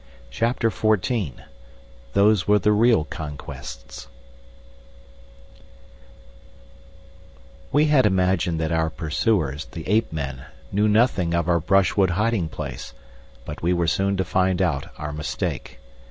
CHAPTER XIV "Those Were the Real Conquests" We had imagined that our pursuers, the ape men, knew nothing of our brush wood hiding place, but we were soon to find out our mistake.